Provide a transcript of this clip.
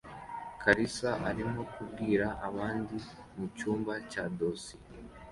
kalisa arimo kubwira abandi mucyumba cya dosiye